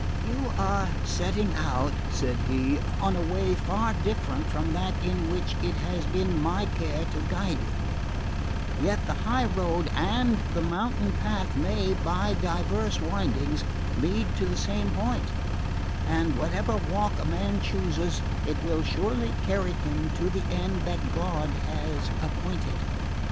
"You are setting out," said he, "on a way far different from that in which it has been my care to guide you; yet the high road and the mountain path may, by diverse windings, lead to the same point; and whatever walk a man chooses, it will surely carry him to the end that God has appointed.